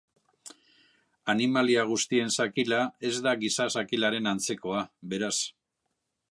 Animalia guztien zakila ez da giza zakilaren antzekoa, beraz.